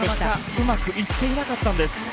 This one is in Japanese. うまくいっていなかったんです。